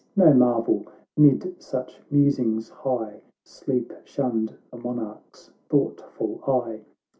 No marvel, 'mid such musings high, Sleep shunned the monarch's thoughtful eye.